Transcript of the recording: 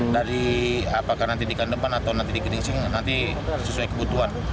dari apakah nanti dikan depan atau nanti di kedingsing nanti sesuai kebutuhan